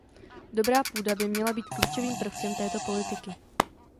Dobrá půda by měla být klíčovým prvkem této politiky.